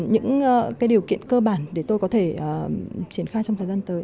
những điều kiện cơ bản để tôi có thể triển khai trong thời gian tới